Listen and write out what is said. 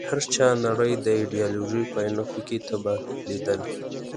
هر چا نړۍ د ایډیالوژۍ په عينکو کې تباه ليدله.